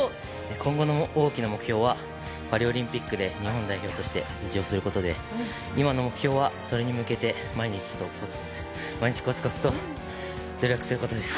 今後の大きな目標はパリオリンピックで大きな成績を残すことで今の目標はそれに向けて毎日コツコツと努力することです。